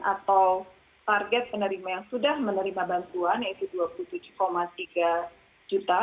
atau target penerima yang sudah menerima bantuan yaitu rp dua puluh tujuh tiga juta